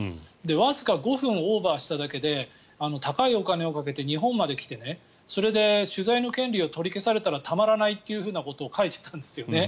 わずか５分オーバーしただけで高いお金をかけて日本まで来て、それで取材の権利を取り消されたらたまらないということを書いていたんですよね。